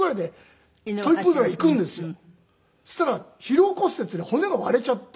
そしたら疲労骨折で骨が割れちゃって。